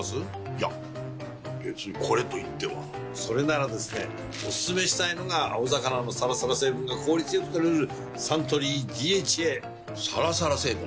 いや別にこれといってはそれならですねおすすめしたいのが青魚のサラサラ成分が効率良く摂れるサントリー「ＤＨＡ」サラサラ成分？